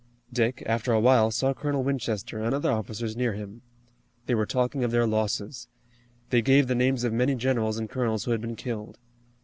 Dick, after a while, saw Colonel Winchester, and other officers near him. They were talking of their losses. They gave the names of many generals and colonels who had been killed.